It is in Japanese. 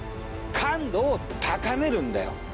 感度を高めるんだよ。